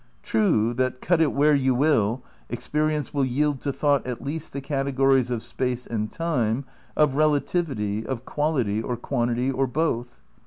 True that, out it where you will, experience will yield to thought at least the categories of space and time, of relativity, of quality or quantity or both.